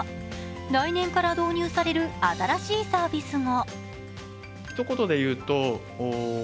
来年から導入される新しいサービスも。